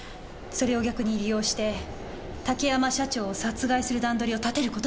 それを逆に利用して竹山社長を殺害する段取りを立てることもできた。